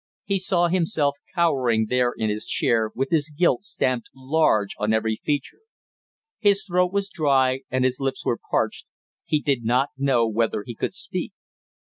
He saw himself cowering there in his chair with his guilt stamped large on every feature. His throat was dry and his lips were parched, he did not know whether he could speak.